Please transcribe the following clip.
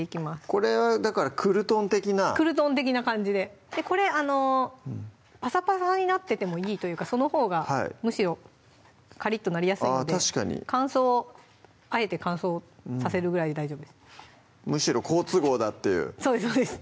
これはだからクルトン的なクルトン的な感じでこれパサパサになっててもいいというかそのほうがむしろカリッとなりやすいので乾燥あえて乾燥させるぐらいで大丈夫ですむしろ好都合だっていうそうです